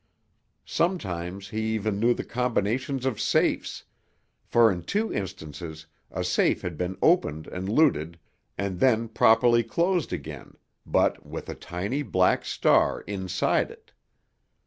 Sometimes he even knew the combinations of safes—for in two instances a safe had been opened and looted, and then properly closed again, but with a tiny black star inside it.